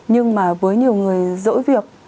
nhưng mà với nhiều người dỗi việc